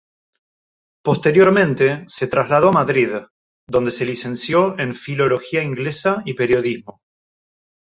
Posteriormente se trasladó a Madrid, donde se licenció en Filología inglesa y Periodismo.